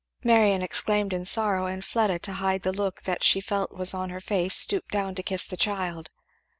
Marion exclaimed in sorrow, and Fleda to hide the look that she felt was on her face stooped down to kiss the child.